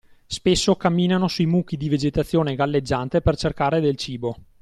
Spesso camminano sui mucchi di vegetazione galleggiante per cercare del cibo.